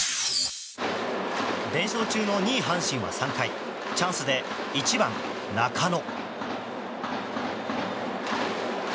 連勝中の２位、阪神は３回チャンスで１番、中野。